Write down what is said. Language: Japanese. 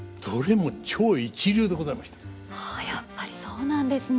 あやっぱりそうなんですね。